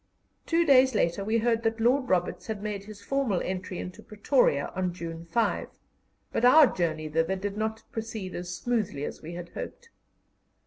Two days later we heard that Lord Roberts had made his formal entry into Pretoria on June 5, but our journey thither did not proceed as smoothly as we had hoped.